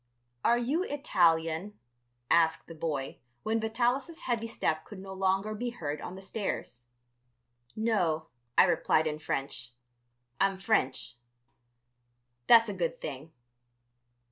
"Are you Italian?" asked the boy, when Vitalis' heavy step could no longer be heard on the stairs. "No," I replied in French, "I'm French." "That's a good thing."